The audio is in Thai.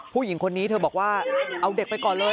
ผู้หญิงคนนี้เธอบอกว่าเอาเด็กไปก่อนเลย